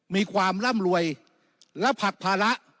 มีความร่ำรวยและผลักภาระ